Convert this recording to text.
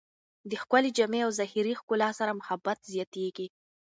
د ښکلې جامې او ظاهري ښکلا سره محبت زیاتېږي.